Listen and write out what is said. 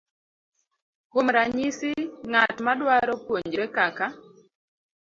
Kuom ranyisi, ng'at madwaro puonjre kaka